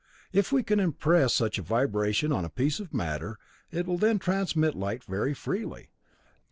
If we can impress such a vibration on a piece of matter, it will then transmit light very freely.